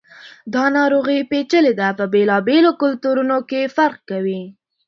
دا ناروغي پیچلي ده، په بېلابېلو کلتورونو کې فرق کوي.